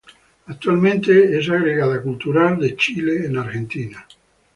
Actualmente es Agregada Cultural de Chile en Argentina.